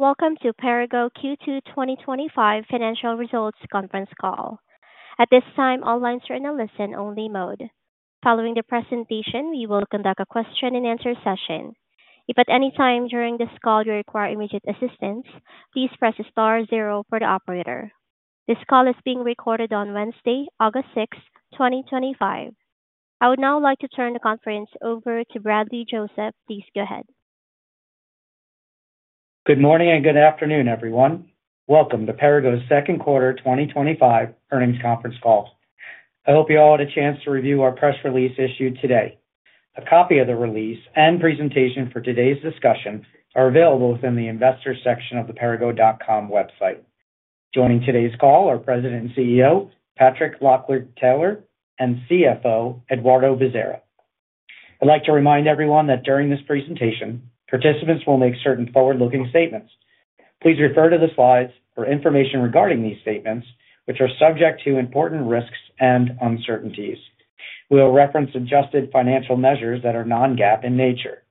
Welcome to Perrigo Q2 2025 Financial Results Conference Call. At this time, all lines are in a listen-only mode. Following the presentation, we will conduct a question and answer session. If at any time during this call you require immediate assistance, please press star zero for the operator. This call is being recorded on Wednesday, August 6th 2025. I would now like to turn the conference over to Bradley Joseph. Please go ahead. Good morning and good afternoon everyone. Welcome to Perrigo Company's Second Quarter 2025 Earnings Conference Call. I hope you all had a chance to review our press release issued today. A copy of the release and presentation for today's discussion are available within the Investors section of the Perrigo.com website. Joining today's call are President and CEO Patrick Lockwood-Taylor and CFO Eduardo Bezerra. I'd like to remind everyone that during this presentation participants will make certain forward-looking statements. Please refer to the slides for information regarding these statements, which are subject to important risks and uncertainties. We will reference adjusted financial measures that are non-GAAP in nature.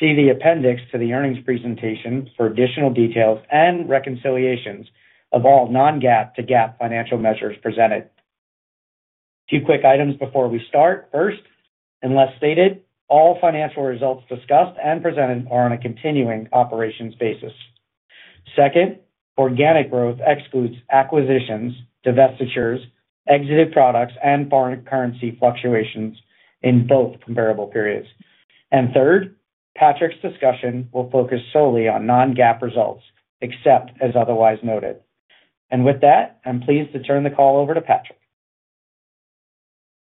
See the appendix to the earnings presentation for additional details and reconciliations of all non-GAAP to GAAP financial measures presented. Two quick items before we start. First, unless stated, all financial results discussed and presented are on a continuing operations basis. Second, organic growth excludes acquisitions, divestitures, exited products, and foreign currency fluctuations in both comparable periods. Third, Patrick's discussion will focus solely on non-GAAP results except as otherwise noted. With that, I'm pleased to turn the call over to Patrick.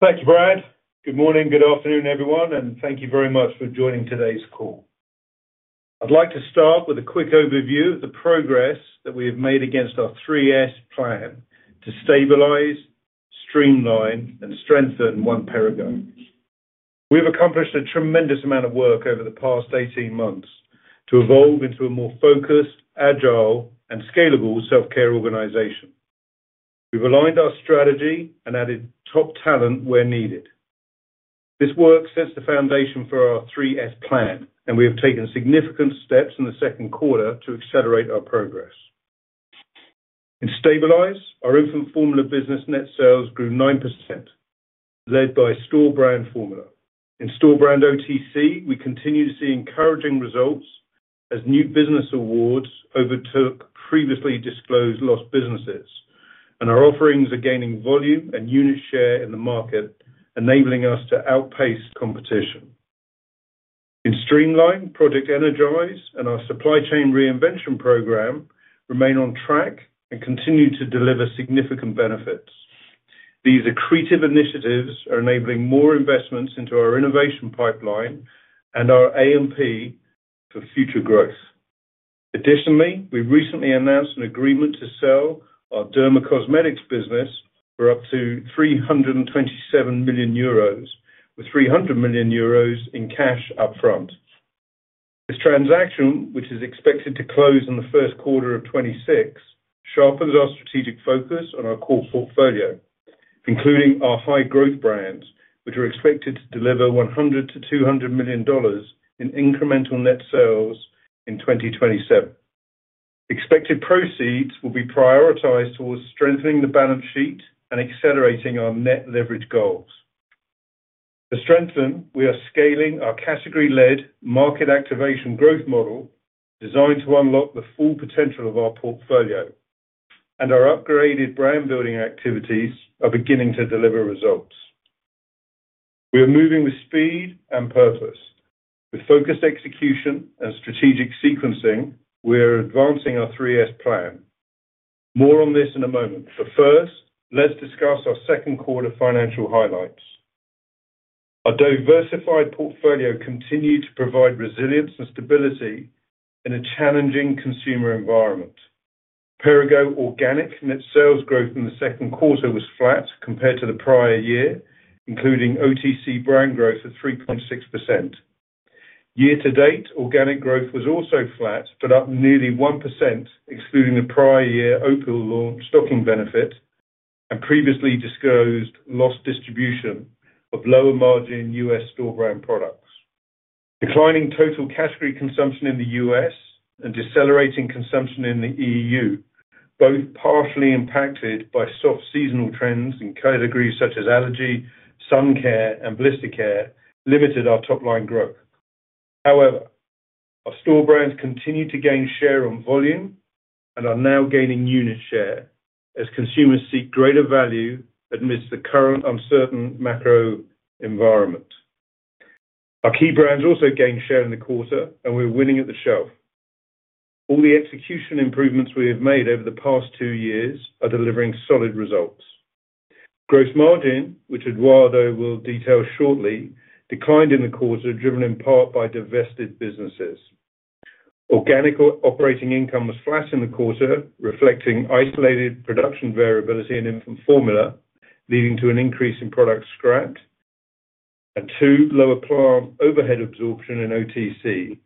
Thank you, Bryant. Good morning, good afternoon everyone, and thank you very much for joining today's call. I'd like to start with a quick overview of the progress that we have made against our 3S plan to stabilize, streamline, and strengthen Perrigo. We've accomplished a tremendous amount of work over the past 18 months to evolve into a more focused, agile, and scalable self-care organization. We've aligned our strategy and added top talent where needed. This work sets the foundation for our 3S plan, and we have taken significant steps in the second quarter to accelerate our progress in stabilizing our infant formula business. Net sales grew 9%, led by store brand infant formula and store brand OTC. We continue to see encouraging results as new business awards overtook previously disclosed lost businesses, and our offerings are gaining volume and unit share in the market, enabling us to outpace competition. In streamline, Project Energize and our Supply Chain Reinvention program remain on track and continue to deliver significant benefits. These accretive initiatives are enabling more investments into our innovation pipeline and our AMP for future growth. Additionally, we recently announced an agreement to sell our Derma Cosmetics business for up to 327 million euros, with 300 million euros in cash up front. This transaction, which is expected to close in first quarter of 2026, sharpens our strategic focus on our core portfolio, including our high growth brands, which are expected to deliver $100 million-$200 million in incremental net sales in 2027. Expected proceeds will be prioritized towards strengthening the balance sheet and accelerating our net leverage goals. To strengthen, we are scaling our category-led market activation growth model designed to unlock the full potential of our portfolio, and our upgraded brand building activities are. Beginning to deliver results. We are moving with speed and purpose with focused execution and strategic sequencing. We are advancing our 3S plan. More on this in a moment, but first let's discuss our second quarter financial highlights. Our diversified portfolio continues to provide resilience and stability in a challenging consumer environment. Perrigo organic net sales growth in the second quarter was flat compared to the prior year, including OTC brand growth of 3.6% year to date. Organic growth was also flat but up nearly 1% excluding the prior year Opill launch stocking benefit and previously disclosed loss distribution of lower margin U.S. store brand products, declining total category consumption in the U.S., and decelerating consumption in the EU, both partially impacted by soft seasonal trends in categories such as allergy, sun care, and blister care. Our top line growth, however, our store brands continue to gain share on volume and are now gaining unit share as consumers seek greater value amidst the current uncertain macro environment. Our key brands also gained share in the quarter and we're winning at the shelf. All the execution improvements we have made over the past two years are delivering solid results. Gross margin, which Eduardo will detail shortly, declined in the quarter driven in part by divested businesses. Organic operating income was flat in the quarter, reflecting isolated production variability in infant formula leading to an increase in products scrapped and to lower plant overhead absorption in OTC.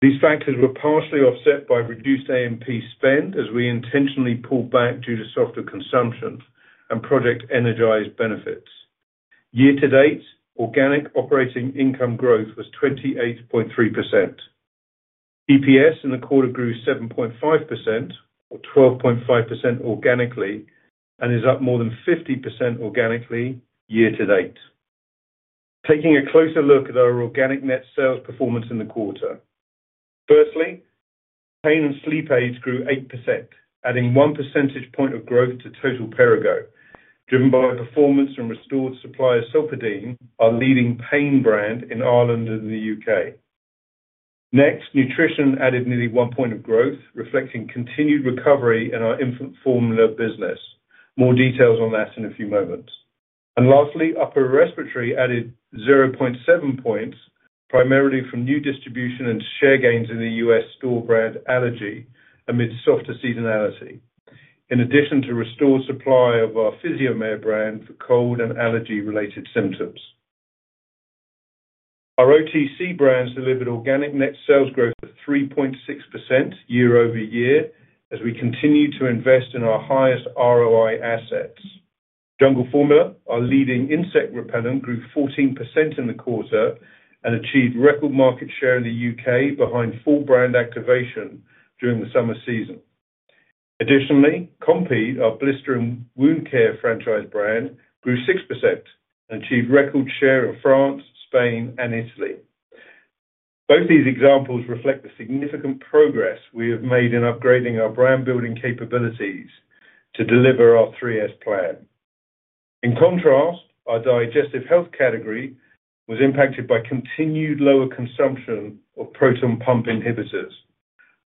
These factors were partially offset by reduced AMP spend as we intentionally pulled back due to softer consumption and Project Energize benefits. Year to date, organic operating income growth was 28.3%. EPS in the quarter grew 7.5% or 12.5% organically and is up more than 50% organically year to date. Taking a closer look at our organic net sales performance in the quarter, firstly pain and sleep aids grew 8%, adding 1 percentage point of growth to total Perrigo driven by performance from restored supplier Solpadeine, our leading pain brand in Ireland and the U.K. Next, nutrition added nearly one point of growth reflecting continued recovery in our infant formula business. More details on that in a few moments. Lastly, upper respiratory added 0.7 points primarily from new distribution and share gains in the U.S. store brand allergy amid softer seasonality in addition to restored supply of our Physiomar brand for cough cold. Allergy related symptoms. Our OTC brands delivered organic net sales growth of 3.6% year-over-year as we continue to invest in our highest ROI assets. Jungle Formula, our leading insect repellent, grew 14% in the quarter and achieved record market share in the U.K. behind full brand activation during the summer season. Additionally, Compeed, our blistering wound care franchise brand, grew 6% and achieved record share in France, Spain, and Italy. Both these examples reflect the significant progress we have made in upgrading our brand building capabilities to deliver our 3S plan. In contrast, our digestive health category was impacted by continued lower consumption of proton pump inhibitors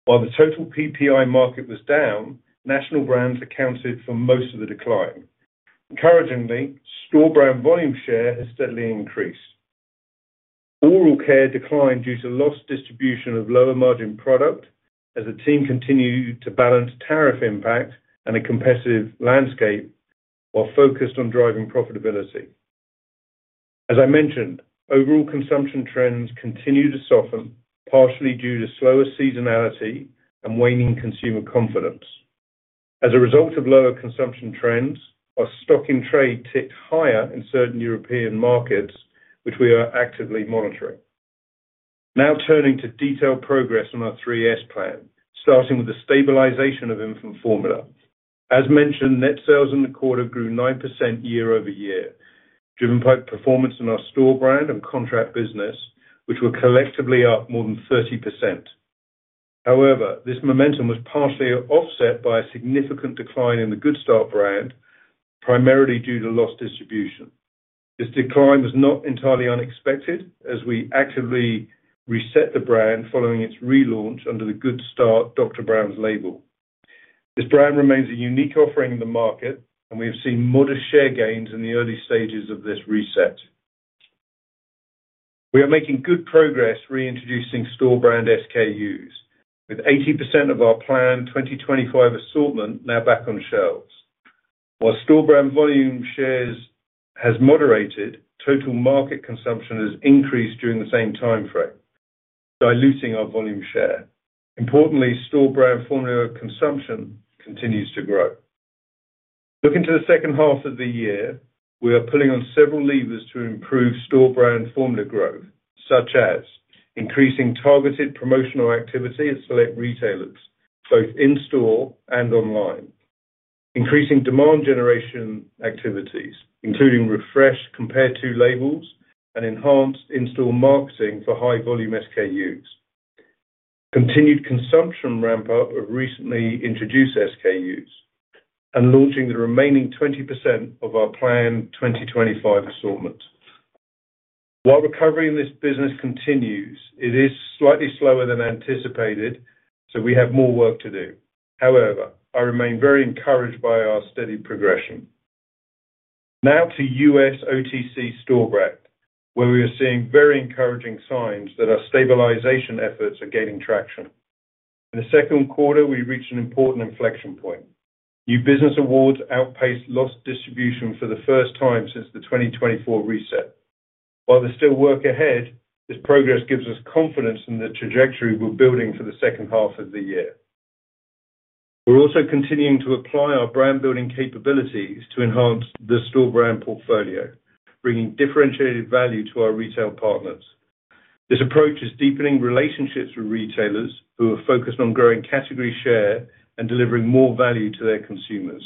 while the total PPI market was down. National brands accounted for most of the decline. Encouragingly, store brand volume share has steadily increased. Oral care declined due to lost distribution of lower margin product as the team continued to balance tariff impact and a competitive landscape while focused on driving profitability. As I mentioned, overall consumption trends continue to soften partially due to slower seasonality. Waning consumer confidence. As a result of lower consumption trends, our stock in trade ticked higher in certain European markets, which we are actively monitoring. Now turning to detailed progress on our 3S plan, starting with the stabilization of infant formula. As mentioned, net sales in the quarter grew 9% year-over-year, driven by performance in our store brand and contract business, which were collectively up more than 30%. However, this momentum was partially offset by a significant decline in the Good Start brand, primarily due to lost distribution. This decline was not entirely unexpected as we actively reset the brand following its relaunch under the Good Start Dr. Brown's label. This brand remains a unique offering in the market, and we have seen modest share gains in the early stages of this reset. We are making good progress reintroducing store brand SKUs, with 80% of our planned 2025 assortment now back on shelves. While store brand volume share has moderated, total market consumption has increased during the same time frame, diluting our volume share. Importantly, store brand formula consumption continues to grow. Looking to the second half of the year, we are pulling on several levers to improve store brand formula growth, such as increasing targeted promotional activity at select retailers both in store and online, increasing demand generation activities including refreshed compare-to labels, and enhanced in-store marketing for high volume SKUs, continued consumption ramp up of recently introduced SKUs, and launching the remaining 20% of our planned 2025 assortment. While recovery in this business continues, it is slightly slower than anticipated. Have more work to do. However, I remain very encouraged by our steady progression now to U.S. OTC store brand, where we are seeing very encouraging signs that our stabilization efforts are gaining traction. In the second quarter, we reached an important inflection point. New business awards outpaced lost distribution for the first time since the 2024 reset. While there's still work ahead, this progress gives us confidence in the trajectory we're. Building for the second half of the year. We're also continuing to apply our brand building capabilities to enhance the store brand portfolio, bringing differentiated value to our retail partners. This approach is deepening relationships with retailers who are focused on growing category share and delivering more value to their consumers.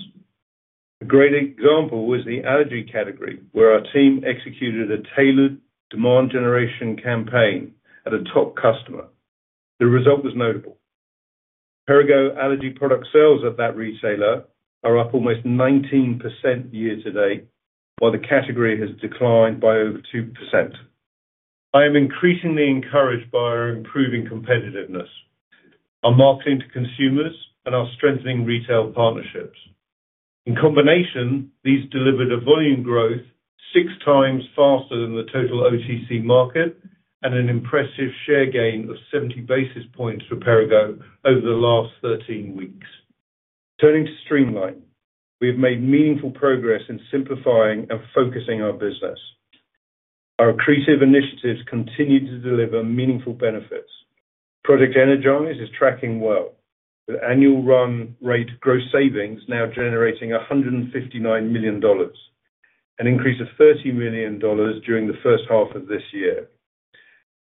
A great example was the allergy category where our team executed a tailored demand generation campaign at a top customer. The result was notable. Perrigo allergy product sales at that retailer are up almost 19% year to date while the category has declined by over 2%. I am increasingly encouraged by our improving competitiveness, our marketing to consumers, and our strengthening retail partnerships. In combination, these delivered a volume growth 6x faster than the total OTC market and an impressive share gain of 70 basis points for Perrigo over the last 13 weeks. Turning to streamline, we have made meaningful progress in simplifying and focusing our business. Our accretive initiatives continue to deliver meaningful benefits. Project Energize is tracking well with annual run rate gross savings now generating $159 million, an increase of $30 million during the first half of this year,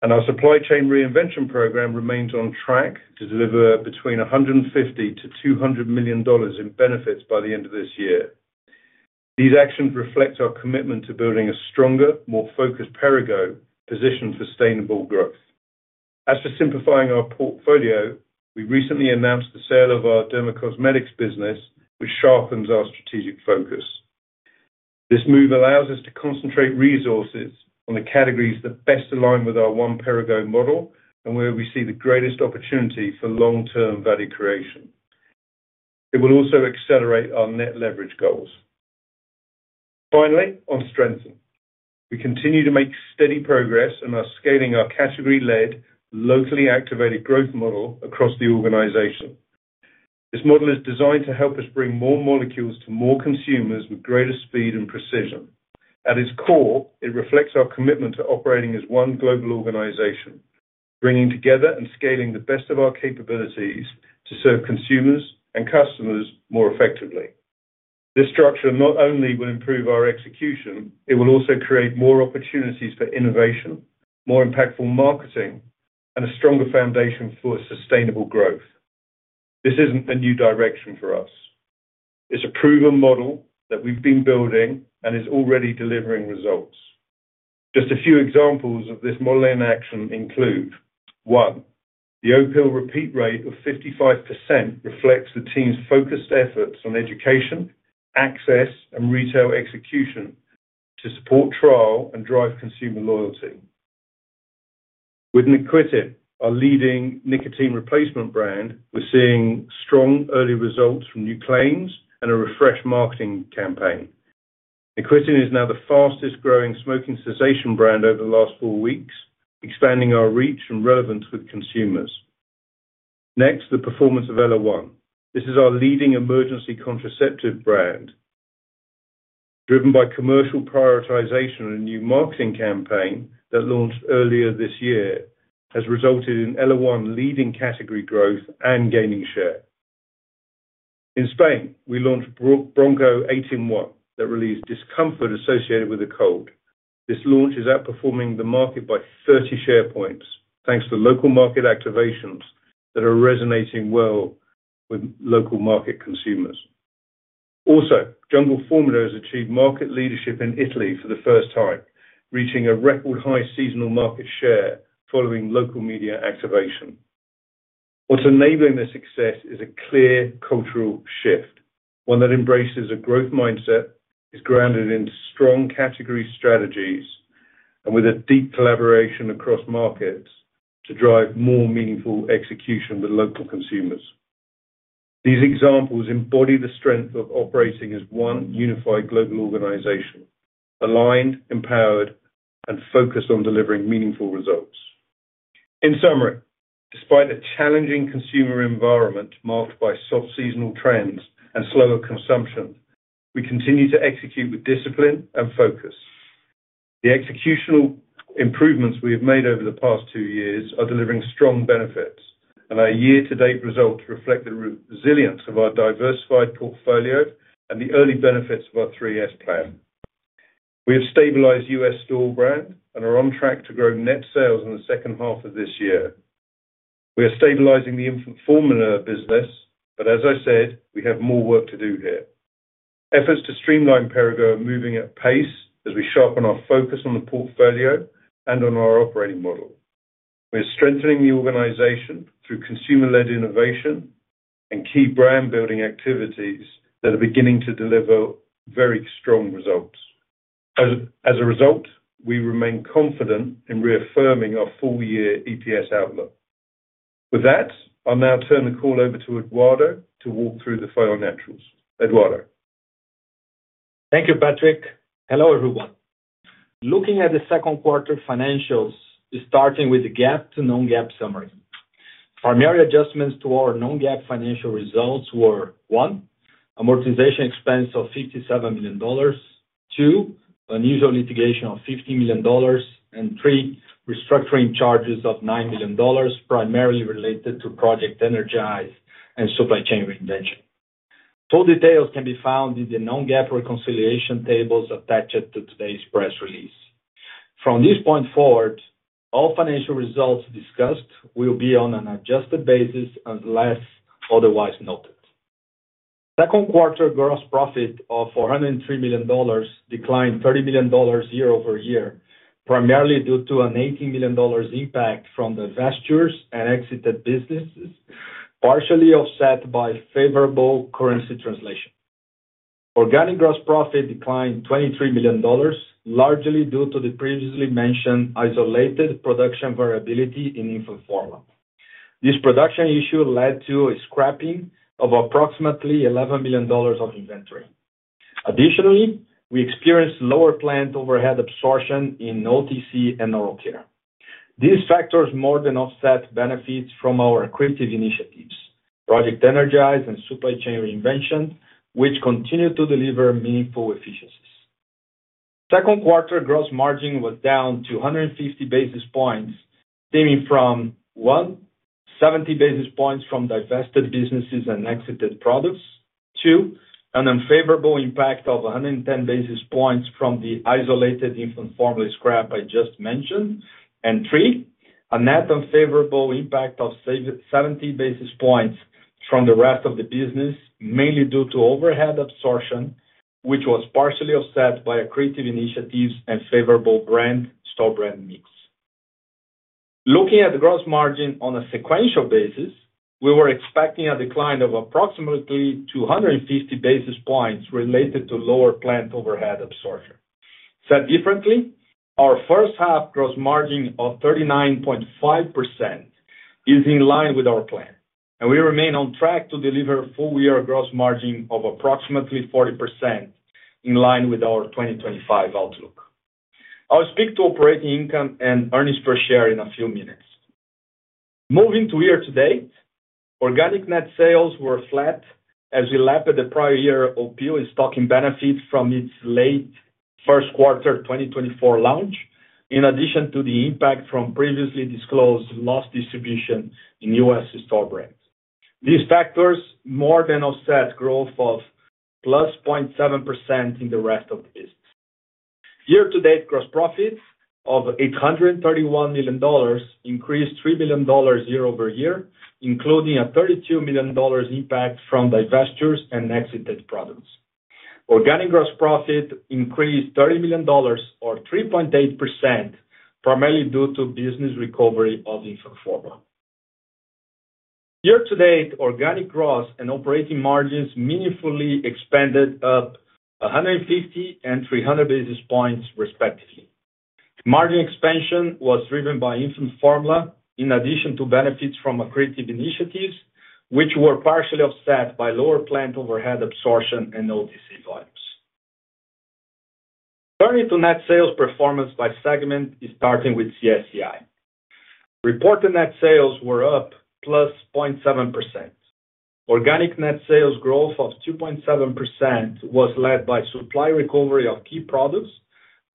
and our Supply Chain Reinvention program remains on track to deliver between $150 million-$200 million in benefits this year. These actions reflect our commitment to building a stronger, more focused Perrigo positioned for sustainable growth. As for simplifying our portfolio, we recently announced the sale of our Derma Cosmetics business, which sharpens our strategic focus. This move allows us to concentrate resources on the categories that best align with our One Perrigo model and where we see the greatest opportunity for long term value creation. It will also accelerate our net leverage goals. Finally, on strengthen, we continue to make steady progress and are scaling our category led, locally activated growth model across the organization. This model is designed to help us bring more molecules to more consumers with. Greater speed and precision. At its core, it reflects our commitment to operating as one global organization, bringing together and scaling the best of our capabilities to serve consumers and customers more effectively. This structure not only will improve our execution, it will also create more opportunities for innovation, more impactful marketing, and a stronger foundation for sustainable growth. This isn't a new direction for us, it's a proven model that we've been building and is already delivering results. Just a few examples of this model in action. One, the Opill repeat rate of 55% reflects the team's focused efforts on education, access, and retail execution to support trial and drive consumer loyalty. With Nicorette, our leading nicotine replacement brand, we're seeing strong early results from new claims and a refreshed marketing campaign. Nicotinell is now the fastest growing smoking cessation brand over the last four weeks, expanding our reach and relevance with consumers. Next, the performance of ellaOne. This is our leading emergency contraceptive brand, driven by commercial prioritization and a new marketing campaign that launched earlier this year, has resulted in ellaOne leading category growth and gaining share. In Spain, we launched Bronchotos 8 en 1 that relieves discomfort associated with the cold. This launch is outperforming the market by 30 share points thanks to local market activations that are resonating well with local market consumers. Also, Jungle Formula has achieved market leadership in Italy for the first time, reaching a record high seasonal market share following local media activation. What's enabling the success is a clear cultural shift, one that embraces a growth mindset, is grounded in strong category strategies, and with a deep collaboration across markets to drive more meaningful execution with local consumers. These examples embody the strength of operating as one unified global organization, aligned, empowered. Focused on delivering meaningful results. In summary, despite a challenging consumer environment marked by soft seasonal trends and slower consumption, we continue to execute with discipline and focus. The executional improvements we have made over the past two years are delivering strong benefits, and our year to date results reflect the resilience of our diversified portfolio and the early benefits of our 3S plan. We have stabilized U.S. store brand and are on track to grow net sales in the second half of this year. We are stabilizing the infant formula business, but as I said, we have more. Work to do here. Efforts to streamline Perrigo are moving at pace as we sharpen our focus on the portfolio and on our operating model. We are strengthening the organization through consumer-led innovation and key brand building activities. That are beginning to deliver very strong results. As a result, we remain confident in reaffirming our full year EPS outlook. With that, I'll now turn the call over to Eduardo to walk through the final naturals. Eduardo. Thank you. Patrick, hello everyone. Looking at the second quarter financials, starting with the GAAP to non-GAAP summary, primary adjustments to our non-GAAP financial results were one, amortization expense of $57 million, two, unusual litigation of $50 million, and three, restructuring charges of $9 million, primarily related to Project Energize and Supply Chain Reinvention. Full details can be found in the non-GAAP reconciliation tables attached to today's press release. From this point forward, all financial results discussed will be on an adjusted basis unless otherwise noted. Second quarter gross profit of $403 million declined $30 million year-over-year, primarily due to an $18 million impact from divestitures and exited businesses, partially offset by favorable currency translation. Organic gross profit declined $23 million, largely due to the previously mentioned isolated production variability in infant formula. This production issue led to a scrapping of approximately $11 million of inventory. Additionally, we experienced lower plant overhead absorption in OTC and oral care. These factors more than offset benefits from our accretive initiatives, Project Energize and Supply Chain Reinvention, which continue to deliver meaningful efficiencies. Second quarter gross margin was down 250 basis points, stemming from 170 basis points from divested businesses and exited products, two, an unfavorable impact of 110 basis points from the isolated infant formula scrap I just mentioned, and three, a net unfavorable impact of 70 basis points from the rest of the business, mainly due to overhead absorption, which was partially offset by accretive initiatives and favorable store brand mix. Looking at the gross margin on a sequential basis, we were expecting a decline of approximately 250 basis points related to lower plant overhead absorption. Said differently, our first half gross margin of 39.5% is in line with our plan, and we remain on track to deliver full year gross margin of approximately 40% in line with our 2025 outlook. I'll speak to operating income and earnings per share in a few minutes. Moving to year to date, organic net sales were flat as we lap the prior year. Opill is taking benefits from its late first quarter 2024 launch in addition to the impact from previously disclosed lost distribution in U.S. store brands. These factors more than offset growth of +0.7% in the rest of the business. Year to date, gross profits of $831 million increased $3 million year-over-year, including a $32 million impact from divestitures and exited products. Organic gross profit increased $30 million or 3.8% primarily due to business recovery of infant formula. Year to date, organic gross and operating margins meaningfully expanded, up 150 and 300 basis points, respectively. Margin expansion was driven by infant formula in addition to benefits from accretive initiatives, which were partially offset by lower plant overhead absorption and OTC volumes. Turning to net sales performance by segment, starting with CSCI, reported net sales were up +0.7%. Organic net sales growth of 2.7% was led by supply recovery of key products,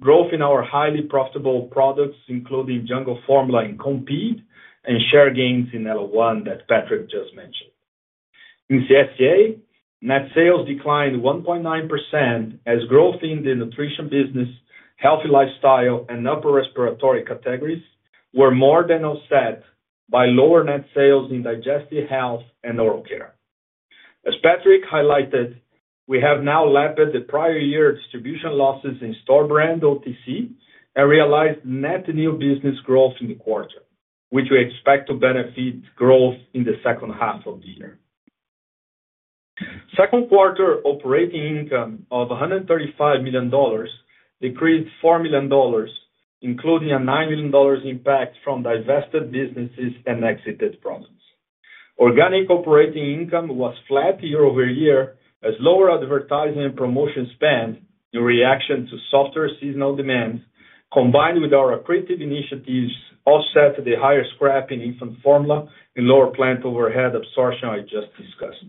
growth in our highly profitable products including Jungle Formula and Compeed, and share gains in ellaOne that Patrick just mentioned. In CSCA, net sales declined 1.9% as growth in the nutrition business, healthy lifestyle, and upper respiratory categories were more than offset by lower net sales in digestive health and oral care. As Patrick highlighted, we have now lapped the prior year distribution losses in store brand OTC and realized net new business growth in the quarter, which we expect to benefit growth in the second half of the year. Second quarter operating income of $135 million decreased $4 million, including a $9 million impact from divested businesses and exited products. Organic operating income was flat year-over-year as lower advertising and promotion spend in reaction to softer seasonal demands combined with our accretive initiatives offset the higher scrapping of infant formula and lower plant overhead absorption I just discussed.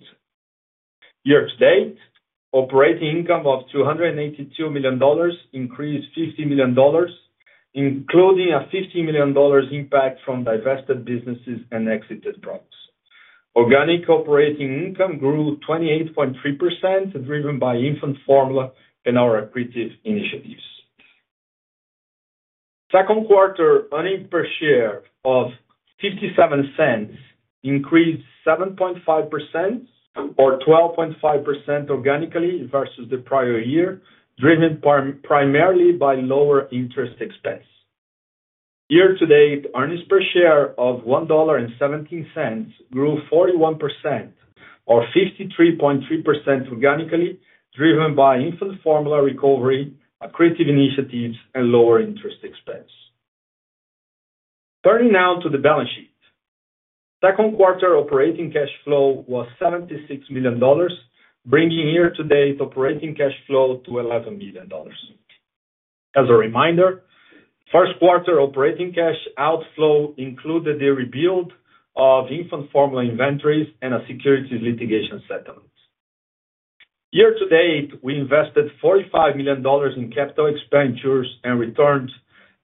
Year to date, operating income of $282 million increased $50 million, including a $50 million impact from divested businesses and exited products. Organic operating income grew 28.3%, driven by infant formula and our accretive initiatives. Second quarter earnings per share of $0.57 increased 7.5% or 12.5% organically versus the prior year, driven primarily by lower interest expense. Year to date, earnings per share of $1.17 grew 41% or 53.3% organically, driven by infant formula recovery, accretive initiatives, and lower interest expense. Turning now to the balance sheet, second quarter operating cash flow was $76 million, bringing year to date operating cash flow to $111 million. As a reminder, first quarter operating cash outflow included the rebuild of infant formula inventories and a securities litigation settlement. Year to date, we invested $45 million in capital expenditures and returned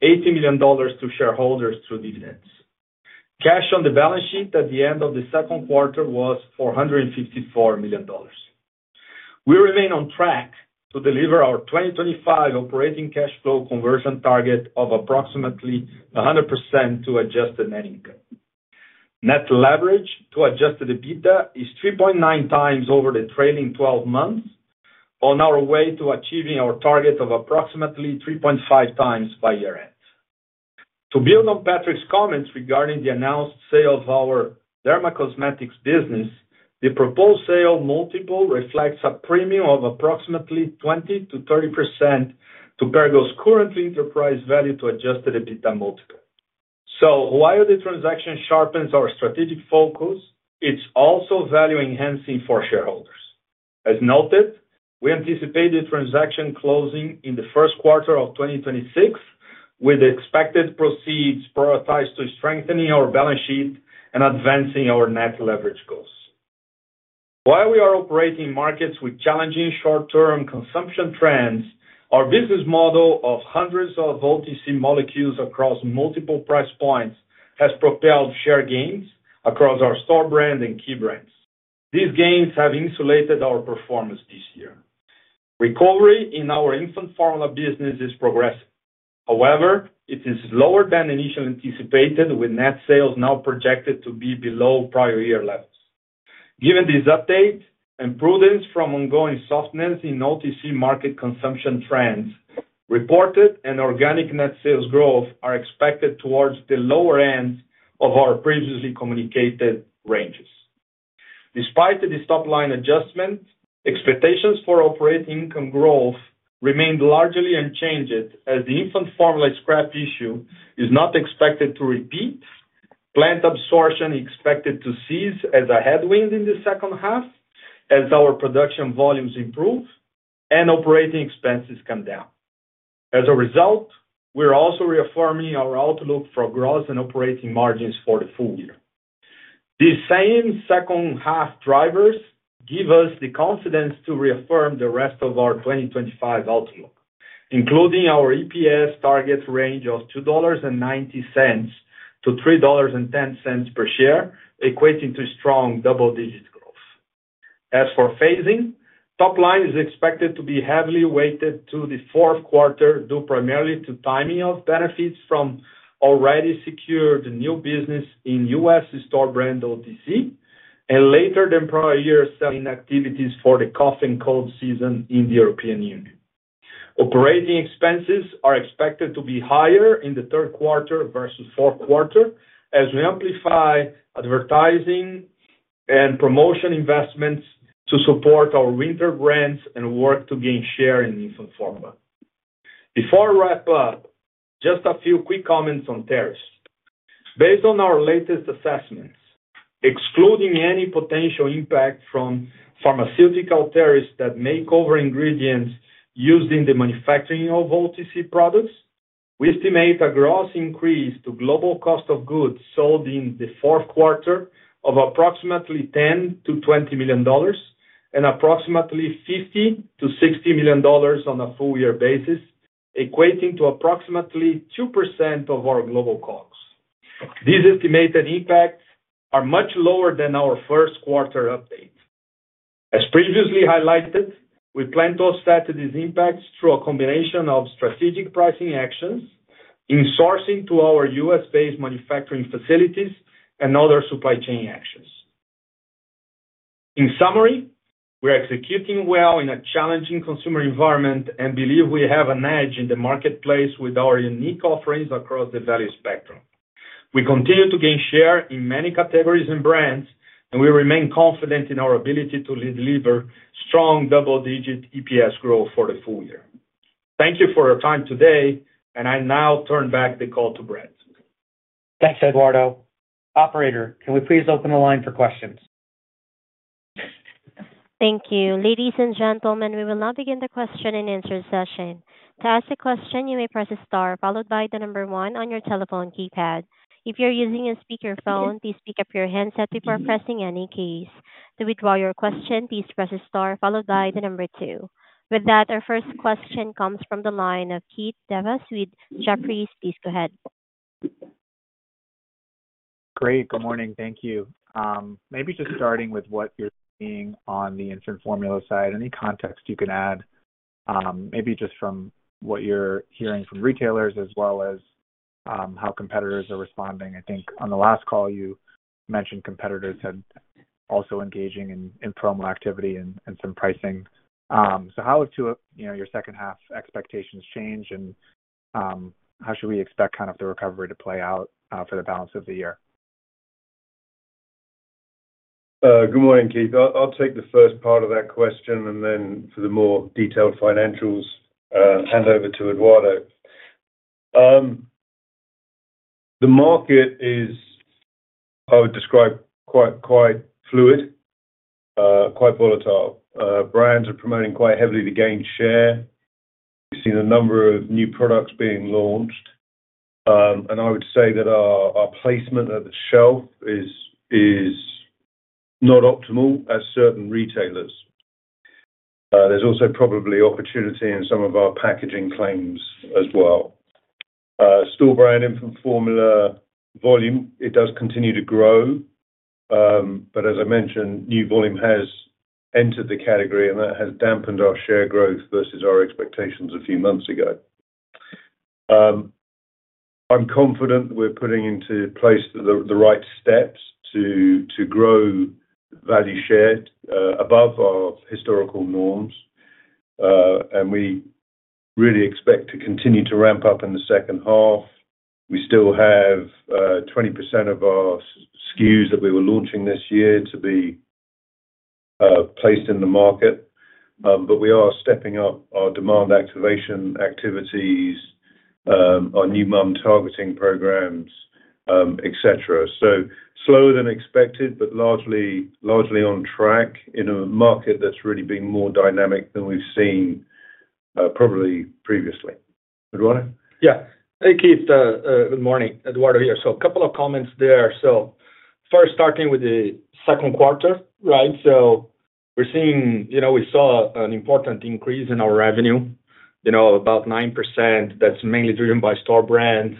$80 million to shareholders through dividends. Cash on the balance sheet at the end of the second quarter was $454 million. We remain on track to deliver our 2025 operating cash flow conversion target of approximately 100% to adjusted net income. Net leverage to adjusted EBITDA is 3.9x over the trailing 12 months, on our way to achieving our target of approximately 3.5x by year end. To build on Patrick's comments regarding the announced sale of our Derma Cosmetics business, the proposed sale multiple reflects a premium of approximately 20%-30% to Perrigo's current enterprise value to adjusted EBITDA multiple. While the transaction sharpens our strategic focus, it is also value enhancing for shareholders. As noted, we anticipate the transaction closing in the first quarter of 2026 with expected proceeds prioritized to strengthening our balance sheet and advancing our net leverage goals. While we are operating in markets with challenging short-term consumption trends, our business model of hundreds of OTC molecules across multiple price points has propelled share gains across our store brand and key brands. These gains have insulated our performance this year. Recovery in our infant formula business is progressing, however it is lower than initially anticipated with net sales now projected to be below prior year levels. Given this update and prudence from ongoing softness in OTC market consumption trends, reported and organic net sales growth are expected towards the lower end of the year of our previously communicated ranges. Despite this top line adjustment, expectations for operating income growth remained largely unchanged as the infant formula scrap issue is not expected to repeat. Plant absorption is expected to cease as a headwind in the second half as our production volumes improve and operating expenses come down. As a result, we are also reaffirming our outlook for gross and operating margins for the full year. These same second half drivers give us the confidence to reaffirm the rest of our 2025 outlook including our EPS target range of $2.90-$3.10 per share, equating to strong double-digit growth. As for phasing, top line is expected to be heavily weighted to the fourth quarter due primarily to timing of benefits from already secured new business in U.S. store brand OTC and later than prior year selling activities for the cough cold season in the European Union. Operating expenses are expected to be higher in the third quarter versus fourth quarter as we amplify advertising and promotion investments to support our winter brands and work to gain share in infant formula. Before I wrap up, just a few quick comments on tariffs based on our latest assessments. Excluding any potential impact from pharmaceutical tariffs that may cover ingredients used in the manufacturing of OTC products, we estimate a gross increase to global cost of goods sold in the fourth quarter of approximately $10 million-$20 million and approximately $50 million-$60 million on a full year basis, equating to approximately 2% of our global COGS. These estimated impacts are much lower than our first quarter update. As previously highlighted, we plan to offset these impacts through a combination of strategic pricing actions and sourcing to our U.S.-based manufacturing facilities and other supply chain actions. In summary, we are executing well in a challenging consumer environment and believe we have an edge in the marketplace with our unique offerings across the value spectrum. We continue to gain share in many categories and brands and we remain confident in our ability to deliver strong double-digit EPS growth for the full year. Thank you for your time today and I now turn back the call to Brett. Thanks, Eduardo. Operator, can we please open the line for questions? Thank you, ladies and gentlemen. We will now begin the question and answer session. To ask a question, you may press star followed by the number one on your telephone keypad. If you're using a speakerphone, please pick up your handset before pressing. In any case, to withdraw your question, please press star followed by the number two. With that, our first question comes from the line of Keith Devas with Jefferies. Please go ahead. Great. Good morning. Thank you. Maybe just starting with what you're seeing on the infant formula side, any context you can add, maybe just from what you're hearing from retailers as well as how competitors are responding. I think on the last call you mentioned competitors had also been engaging in promo activity and some pricing. How have your second half expectations changed and how should we expect kind of the recovery to play out for the balance of the year? Good morning, Keith. I'll take the first part of that. Question and then for the more detailed financials, hand over to Eduardo. The market is, I would describe, quite fluid, quite volatile. Brands are promoting quite heavily to gain shareholders. We've seen a number of new products. Being launched, and I would say that our placement at the shelf is not optimal at certain retailers. There's also probably opportunity in some of our packaging claims as well. Store brand infant formula volume, it does. Continue to grow, but as I mentioned, new volume has entered the category, and that has dampened our share growth versus our expectations a few months ago. I'm confident we're putting into place the. Right steps to grow value share above our historical norms, and we really expect to continue to ramp up in the second half. We still have 20% of our SKUs that we were launching this year to be placed in the market, but we are stepping up our demand activation activities, our new mom targeting programs, etc., so slower than expected but largely on track in a market that's really been more dynamic than we've seen probably previously. Yeah. Hey Keith, good morning. Eduardo here. A couple of comments there. First, starting with the second quarter, right? We're seeing, you know, we saw an important increase in our revenue, about 9%. That's mainly driven by store brands.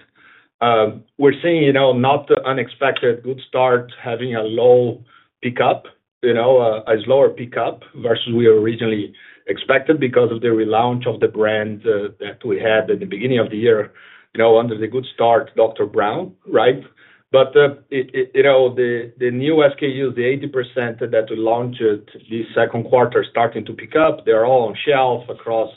We're seeing, you know, not unexpected good start, having a low pickup, a slower pickup versus we originally expected because of the relaunch of the brand that we had at the beginning of the year, under the Good Start, Dr. Brown. Right. The new SKUs, the 80% that we launched this second quarter, are starting to pick up. They're all on shelf across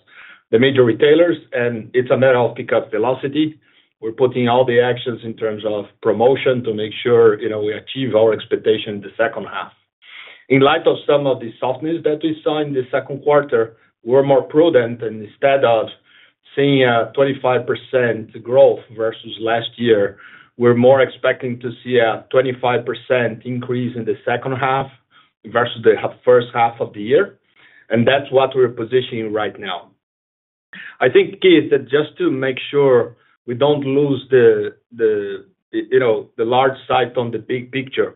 the major retailers and it's a matter of pickup velocity. We're putting all the actions in terms of promotion to make sure we achieve our expectation in the second half. In light of some of the softness that we saw in the second quarter, we're more prudent and instead of seeing 25% growth versus last year, we're more expecting to see a 25% increase in the second half versus the first half of the year. That's what we're positioning right now. I think key is that just to make sure we don't lose sight on the big picture.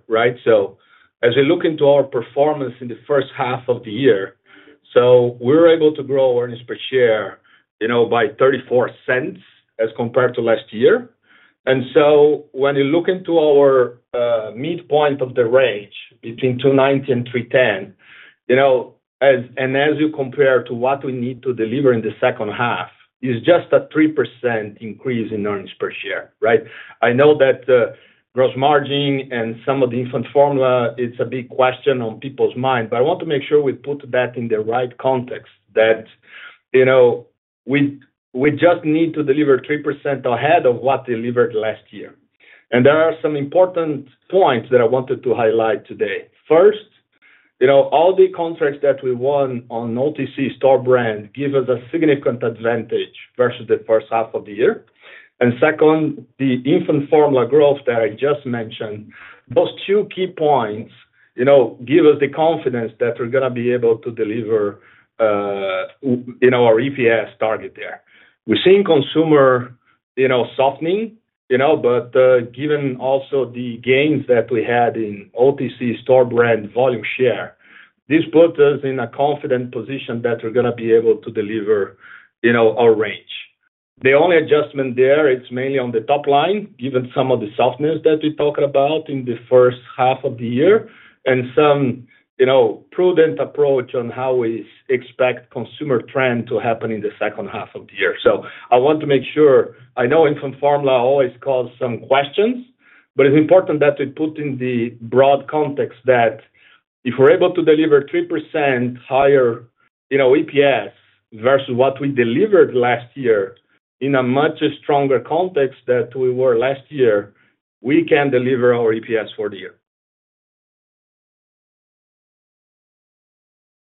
As we look into our performance in the first half of the year, we're able to grow earnings per share by $0.34 as compared to last year. When you look into our midpoint of the range between $2.90-$3.10 and as you compare to what we need to deliver in the second half, it's just a 3% increase in earnings per share. I know that gross margin and some of the infant formula, it's a big question on people's mind. I want to make sure we put that in the right context that we just need to deliver 3% ahead of what delivered last year. There are some important points that I wanted to highlight today. First, all the contracts that we won on OTC store brand give us a significant advantage versus the first half of the year. Second, the infant formula growth that I just mentioned, those two key points give us the confidence that we're going to be able to deliver our EPS target there. We're seeing consumer softening, but given also the gains that we had in OTC store brand volume share, this puts us in a confident position that we're going to be able to deliver our range. The only adjustment there is mainly on the top line given some of the softness that we talked about in the first half. Of the year and some prudent approach on how we expect consumer trend to happen in the second half of the year. I want to make sure. I know infant formula always causes some questions, but it's important that we put in the broad context that if we're able to deliver 3% higher, you know, EPS versus what we delivered last year in a much stronger context that we were last year, we can deliver our EPS for the year.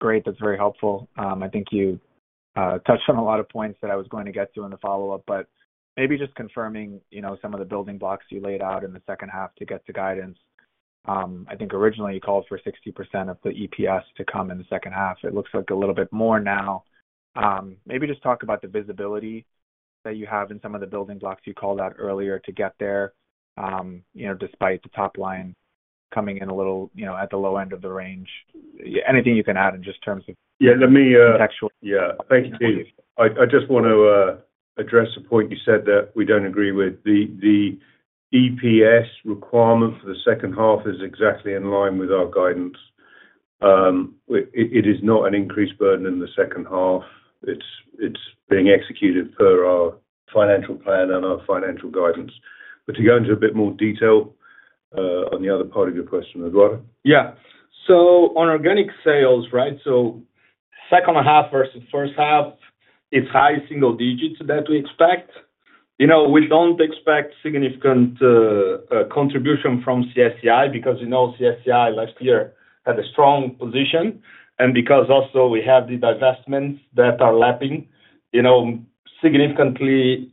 Great, that's very helpful. I think you touched on a lot of points that I was going to get to in the follow up. Maybe just confirming, you know, some of the building blocks you laid out in the second half to get the guidance. I think originally you called for 60% of the EPS to come in the second half. It looks like a little bit more now. Maybe just talk about the visibility that you have in some of the building blocks you called out earlier to get there, you know, despite the top line coming in a little, you know, at the low end of the range. Anything you can add in just terms of. Let me. Thank you. I just want to address a point you said that we don't agree with. The EPS requirement for the second half is exactly in line with our guidance. It is not an increased burden in the second half. It's being executed per our financial plan and our financial guidance. To go into a bit more detail on the other part of your question, Eduardo. Yeah. On organic sales, right, second half versus first half, it's high single digits that we expect. We don't expect significant contribution from CSCI because CSCI last year had a strong position and because also we have the divestments that are lapping significantly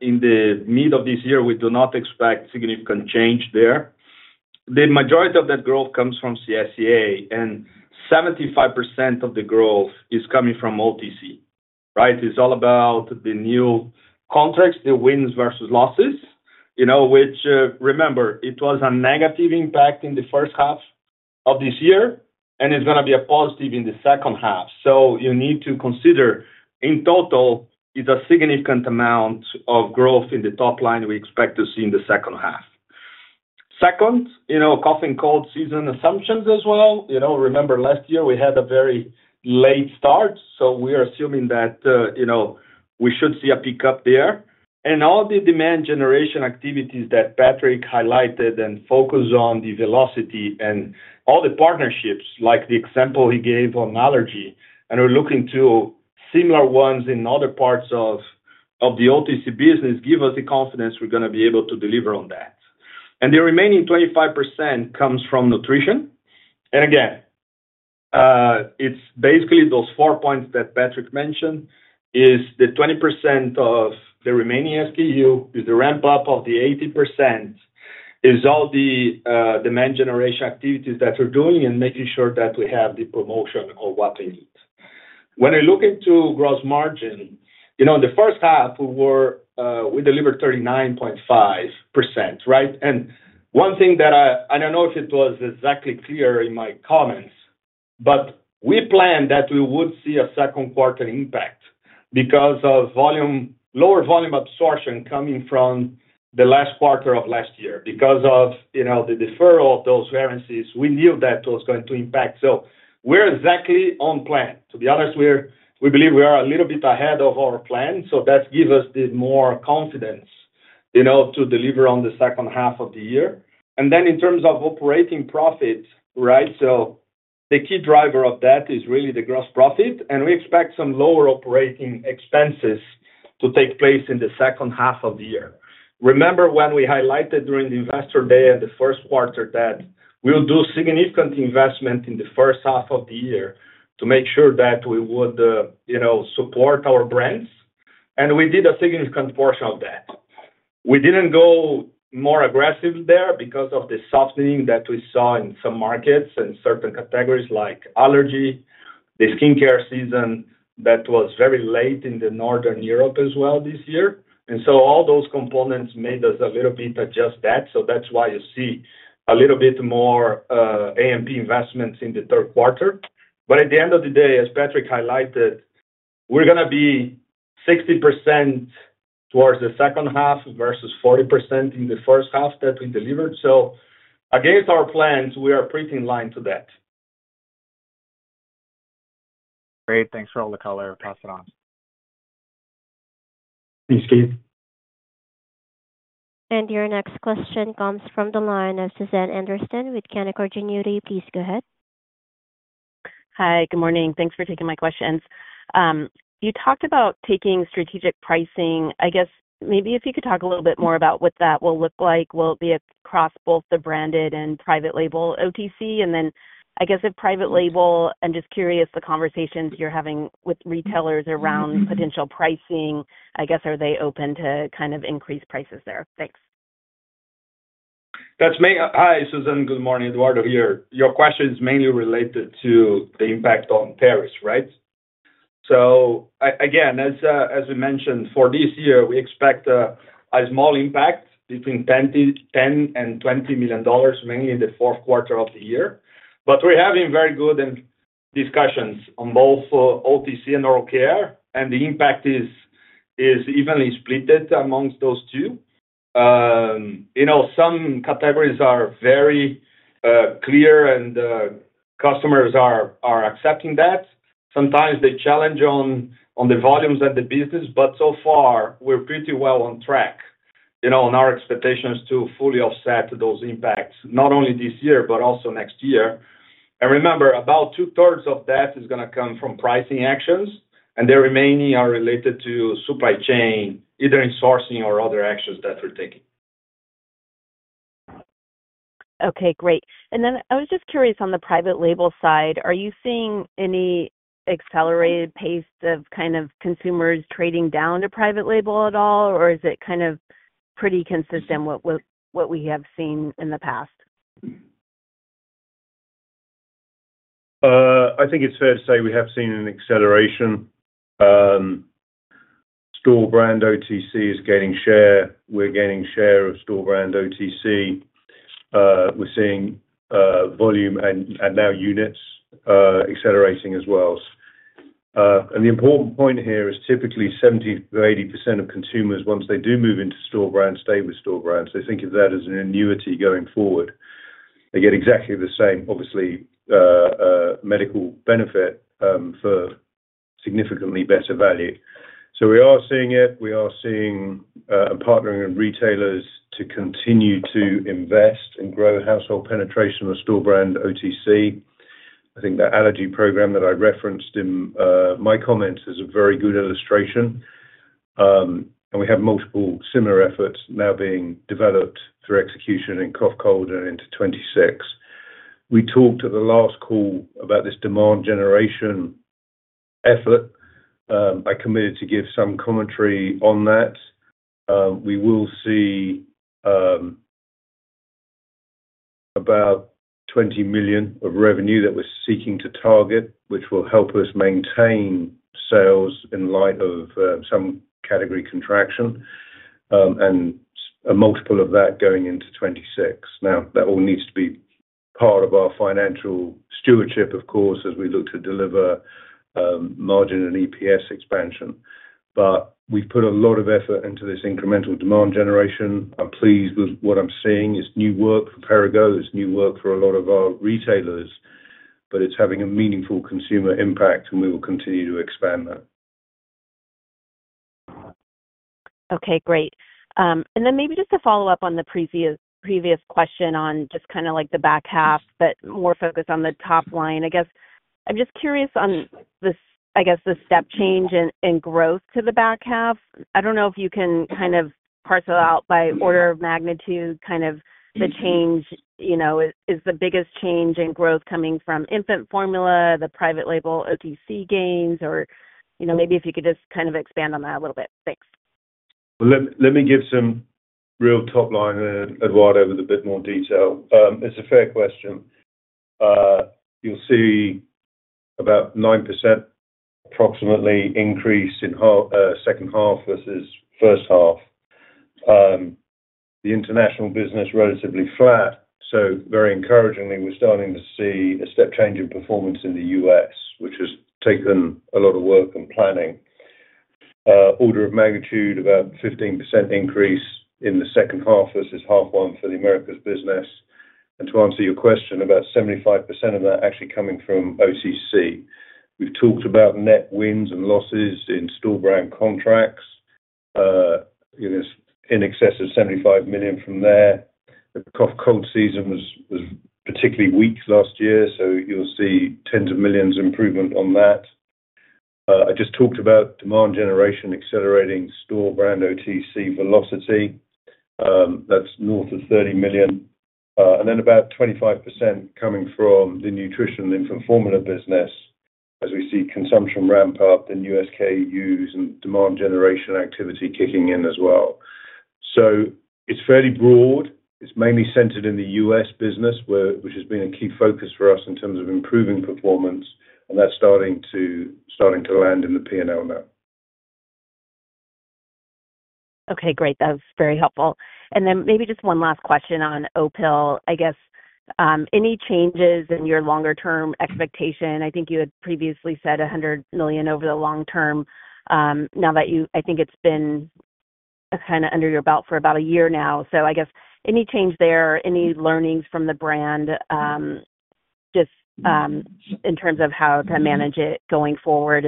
in the middle of this year, we do not expect significant change there. The majority of that growth comes from CSCA and 75% of the growth is coming from OTC, right. It's all about the new context, the wins versus losses, which remember was a negative impact in the first half of this year and it's going to be a positive in the second half. You need to consider in total it is a significant amount of growth in the top line we expect to see in the second half. Cough cold season assumptions as well, remember last year we had a very late start so we are assuming that we should see a pickup there and all the demand generation activities that Patrick highlighted and focus on the velocity and all the partnerships like the example he gave on allergy and we're looking to similar ones in other parts of the OTC business give us the confidence we're going to be able to deliver on that. The remaining 25% comes from nutrition. Again, it's basically those four points that Patrick mentioned, it's the 20% of the remaining SKU, it's the ramp up of the 80%, it's all the demand generation activities that we're doing and making sure that we have the promotion of what they need. When I look into gross margin, in the first half we delivered 39.5%. One thing that I don't know if it was exactly clear in my comments, but we planned that we would see a second quarter impact because of lower volume absorption coming from the last quarter of last year because of the deferral of those currencies we knew that was going to impact. We're exactly on plan. To be honest, we believe we are a little bit ahead of our plan. That gives us more confidence to deliver on the second half of the year. In terms of operating profit, the key driver of that is really the gross profit and we expect some lower operating expenses to take place in the second half of the year. Remember when we highlighted during the Investor Day and the first quarter that we would do significant investment in the first half of the year to make sure that we would support our brands and we did a significant portion of that. We didn't go more aggressive there because of the softening that we saw in some markets and certain categories like allergy, the skincare season that was very late in northern Europe as well this year. All those components made us a little bit adjust that. That's why you see a little bit more amp investments in the third quarter. At the end of the day, as Patrick highlighted, we're going to be 60% towards the second half versus 40% in the first half that we delivered. Against our plans, we are pretty in line to that. Great. Thanks for all the color. Pass it on. Thanks, Keith. Your next question comes from the line of Susan Anderson with Canaccord Genuity. Please go ahead. Hi, good morning. Thanks for taking my questions. You talked about taking strategic pricing. I guess maybe if you could talk a little bit more about what that will look like. Will it be across both the branded and private label OTC, and then I guess if private label, I'm just curious the conversations you're having with retailers around potential pricing. I guess are they open to kind of increase prices there? Thanks. That's me. Hi, Susan. Good morning. Eduardo here. Your question is mainly related to the impact on Paris, right? As we mentioned, for this year, we expect a small impact between $10 million-$20 million, mainly in the fourth quarter of the year. We're having very good discussions on both OTC and oral care, and the impact is evenly split amongst those two. Some categories are very clear and customers are accepting that. Sometimes the challenge is on the volumes and the business, but so far we're pretty well on track on our expectations to fully offset those impacts not only this year, but also next year. Remember, about two thirds of that is going to come from pricing actions, and the remaining are related to supply chain, either insourcing or other actions that we're taking. Okay, great. I was just curious, on the private label side, are you seeing any accelerated pace of kind of consumers trading down to private label at all, or is it kind of pretty consistent with what we have seen in the past? I think it's fair to say we have seen an acceleration. Store brand OTC is gaining share. We're gaining share of store brand OTC. We're seeing volume and now units accelerating as well. The important point here is typically 70%-80% of consumers, once they do move into store brands, stay with store brands. They think of that as an annuity. Going forward, they get exactly the same, obviously, medical benefit for significantly better value. We are seeing it. We are seeing a partnering with retailers to continue to invest and grow household penetration of store brand OTC. I think the allergy program that I referenced in my comments is a very good illustration. We have multiple similar efforts now being developed for execution in cough cold and into 2026. We talked at the last call about this demand generation effort. I committed to give some commentary on that. We will see about $20 million of revenue that we're seeking to target, which will help us maintain sales in light of some category contraction and a multiple of that going into 2026. That all needs to be part of our financial stewardship, of course, as we look to deliver margin and EPS expansion. We put a lot of effort into this incremental demand generation. I'm pleased with what I'm seeing. It's new work for Perrigo. It's new work for a lot of our retailers, but it's having a meaningful consumer impact and we will continue to expand that. Okay, great. Maybe just to follow up. On the previous question on just kind of like the back half, but more focused on the top line, I guess. I'm just curious on this, I guess, the step change in growth. To the back half. I don't know if you can kind of parcel out by order of magnitude the change. Is the biggest change in growth coming from infant formula, the private label OTC gains, or maybe if you could just expand on that a little bit. Thanks. Let me give some real top. Line, Eduardo, with a bit more detail. It's a fair question. You'll see about 9% approximately increase in second half versus first half. The international business relatively flat. Very encouragingly, we're starting to see a step change in performance in the U.S., which has taken a lot of work and planning. Order of magnitude about 15% increase in the second half versus half one for the Americas business. To answer your question, about 75% of that actually coming from OTC. We've talked about net wins and losses in store brand contracts. In excess of. $75 million from there. The cough cold season was particularly weak last year. You'll see tens of millions improvement on that. I just talked about demand generation accelerating store brand OTC velocity, that's north of $30 million, and then about 25% coming from the nutrition infant formula business as we see consumption ramp up in U.S. use and demand generation activity kicking in as well. It is fairly broad. It's mainly centered in the U.S. business, which has been a key focus for us in terms of improving performance. That's starting to land in the P&L now. Okay, great, that's very helpful. Maybe just one last question on Opill. I guess any changes in your longer term expectation? I think you had previously said $100 million over the long term now that you, I think it's been kind of under your belt for about a year now. I guess any change there, any learnings from the brand just in terms of how to manage it going forward?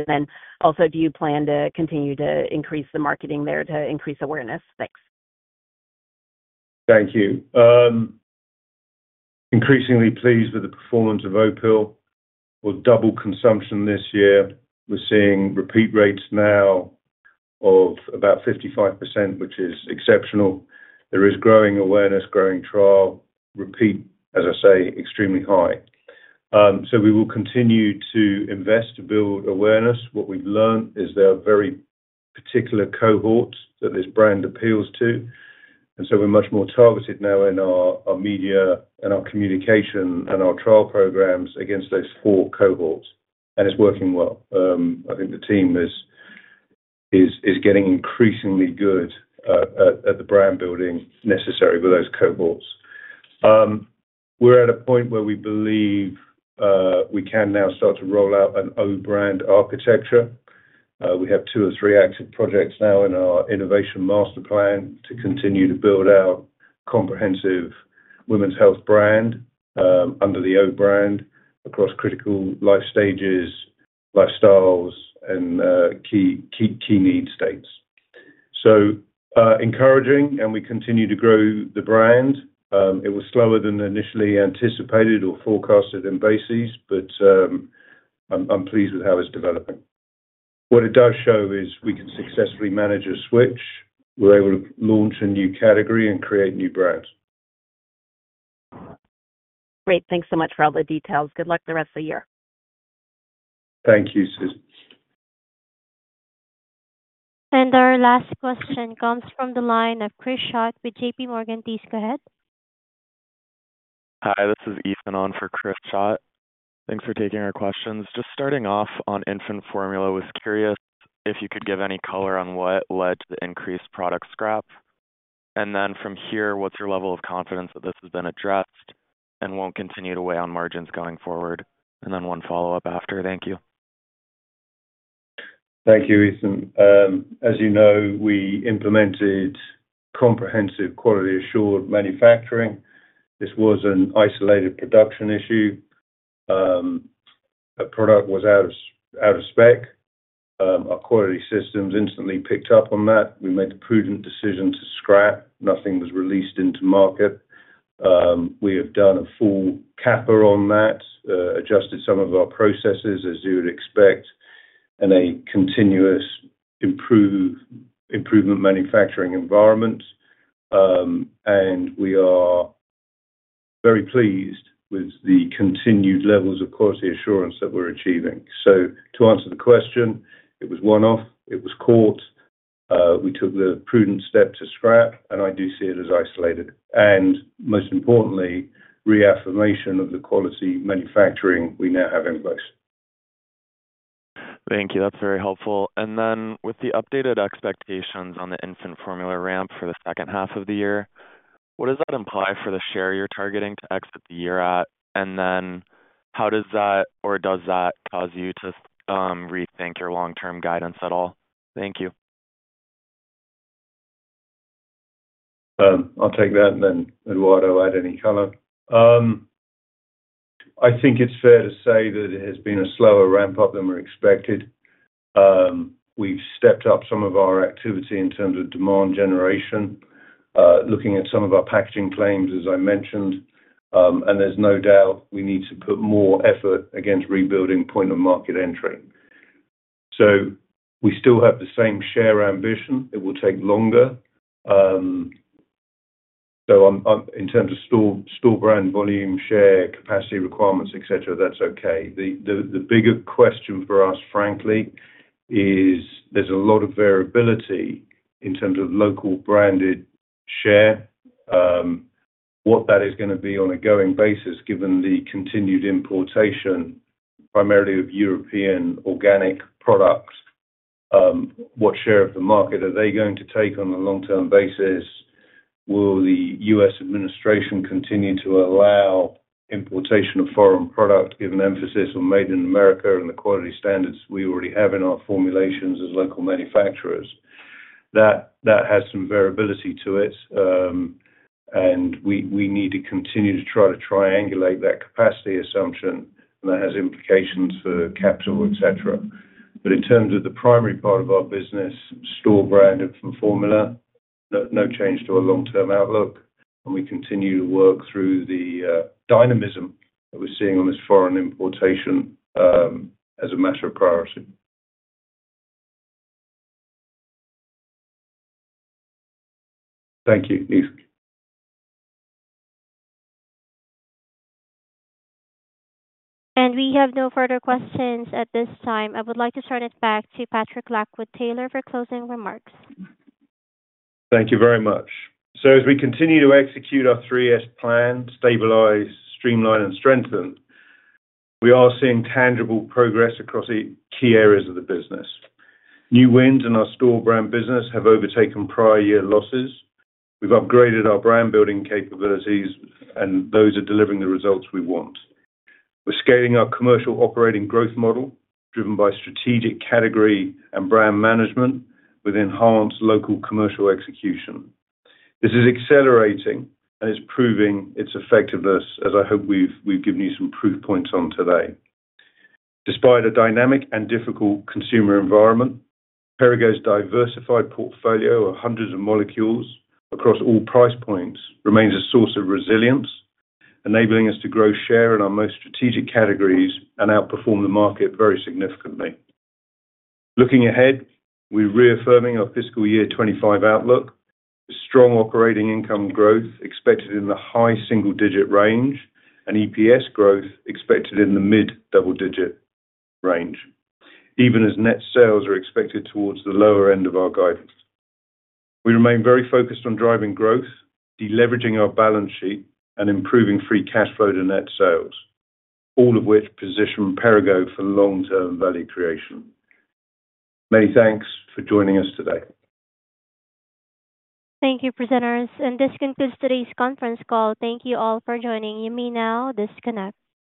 Also, do you plan to continue to increase the marketing there to increase awareness? Thanks. Thank you. Increasingly pleased with the performance of Opill or double consumption this year. We're seeing repeat rates now of about 55% which is exceptional. There is growing awareness, growing trial, repeat, as I say, extremely high. We will continue to invest to build awareness. What we've learned is there are very particular cohorts that this brand appeals to, and we're much more targeted now in our media and our communication and our trial programs against those four cohorts, and it's working well. I think the team is getting increasingly good at the brand building necessary with those cohorts. We're at a point where we believe. We can now start to roll out an O brand architecture. We have two or three active projects now in our innovation master plan to continue to build out a comprehensive women's health brand under the O brand across critical life stages, lifestyles, and key need states. Encouraging. We continue to grow the brand. It was slower than initially anticipated or forecasted in bases, but I'm pleased with how it's developing. What it does show is we can successfully manage a switch. We're able to launch a new category and create new brands. Great. Thanks so much for all the details. Good luck the rest of the year. Thank you, Susan. Our last question comes from the line of Chris Schott with JPMorgan. Please go ahead. Hi, this is Ethan on for Chris Chat. Thanks for taking our questions. Just starting off on infant formula. Was curious if you could give any color on what led to the increased product scrap. From here, what's your level of confidence that this has been addressed and won't continue to weigh on margins going forward? I have one follow up after. Thank you. Thank you, Ethan. As you know, we implemented comprehensive, quality-assured manufacturing. This was an isolated production issue. The product was out of spec. Our quality systems instantly picked up on that. We made the prudent decision to scrap. Nothing was released into market. We have done a full CAPA on that, adjusted some of our processes as you would expect in a continuous improvement manufacturing environment. We are very pleased with the continued levels of quality assurance that we're achieving. To answer the question, it was one off, it was caught. We took the prudent step to scrap and I do see it as isolated and, most importantly, reaffirmation of the quality manufacturing we now have in place. Thank you, that's very helpful. With the updated expectations on the infant formula ramp for the second half of the year, what does that imply for the share you're targeting to exit the year at? Does that cause you to rethink your long term guidance at all? Thank you. I'll take that, then Eduardo, add any color. I think it's fair to say that. It has been a slower ramp up than we expected. We've stepped up some of our activity in terms of demand generation, looking at some of our packaging claims as I mentioned, and there's no doubt we need to put more effort against rebuilding point of market entry. We still have the same share ambition. It will take longer. In terms of store brand volume share, capacity requirements, etc., that's okay. The bigger question for us, frankly, is there's a lot of variability in terms of local branded share. What that is going to be on a going basis? Given the continued importation primarily of European organic products, what share of the market are they going to take on a long-term basis? Will the U.S. Administration continue to allow importation of foreign product? Given emphasis on made in America and the quality standards we already have in our formulations as local manufacturers, that has some variability to it, and we need to continue to try to triangulate that capacity assumption, and that has implications for capital, etc. In terms of the primary part of our business, store brand infant formula, no change to a long-term outlook, and we continue to work through the dynamism that we're seeing on this foreign importation as a matter of priority. Thank you. We have no further questions at this time. I would like to turn it back to Patrick Lockwood-Taylor for closing remarks. Thank you very much. As we continue to execute our 3S plan, stabilize, streamline and strengthen, we. Are seeing tangible progress across key areas of the business. New wins in our store brand business. Have overtaken prior year losses. We've upgraded our brand building capabilities, and those are delivering the results we want. We're scaling our commercial operating growth model. Driven by strategic category and brand management with enhanced local commercial execution, this is accelerating and it's proving its effectiveness as I hope we've given you some proof points on today. Despite a dynamic and difficult consumer environment, Perrigo's diversified portfolio of hundreds of molecules. Across all price points remains a source. Of resilience, enabling us to grow share in our most strategic categories and outperform the market very significantly. Looking ahead, we're reaffirming our fiscal year 2025 outlook. Strong operating income growth expected in the high single digit range and EPS growth. Expected in the mid to double digit range, even as net sales are expected towards the lower end of our guidance. Remain very focused on driving growth, deleveraging. Our balance sheet and improving free cash flow to net sales, all of which position Perrigo for long term value creation. Many thanks for joining us today. Thank you, presenters, and this concludes today's conference call. Thank you all for joining. You may now disconnect.